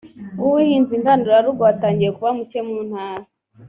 w ubuhinzi ngandurarugo watangiye kuba muke mu ntara